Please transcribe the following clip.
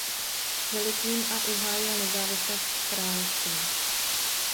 Velikým a uhájil nezávislost království.